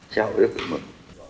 sao rất là mực